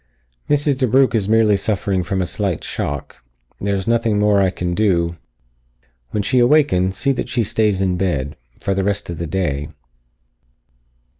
"Mrs. DeBrugh is merely suffering from a slight shock. There is nothing more that I can do. When she awakens, see that she stays in bed. For the rest of the day."